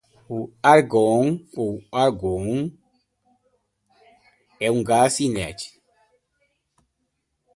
O árgon ou argão é um gás inerte.